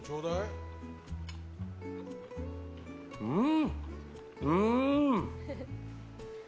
うん！